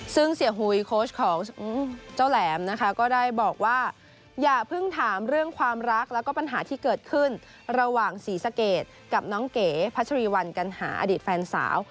ซึ่งเสียหุยโค้ชของเจ้าแหลมนะคะก็ได้บอกว่าอย่าเพิ่งถามเรื่องความรักแล้วก็ปัญหาที่เกิดขึ้นระหว่างศรีสะเกดกับน้องเก๋พัชรีวัลกัณหาอดีตแฟนสาว